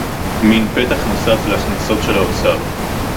מין פתח נוסף להכנסות של האוצר